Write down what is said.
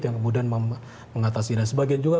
yang kemudian mengatasi dan sebagian juga